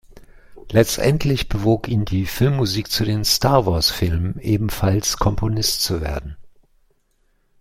Letztendlich bewog ihn die Filmmusik zu den Star Wars-Filmen, ebenfalls Komponist zu werden.